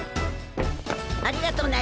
ありがとね。